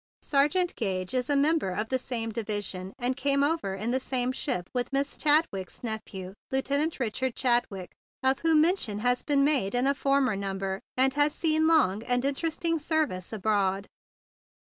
Sergeant Gage is a member of the same division and came over in the same ship with Miss Chadwick's nephew, Lieutenant Richard Chadwick, of whom mention has been made in a former number, and has seen long and interesting service abroad."